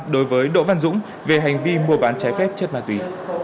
đối với đỗ văn dũng về hành vi mua bán trái phép chất ma túy